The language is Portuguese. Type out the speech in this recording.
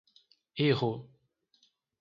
Erro.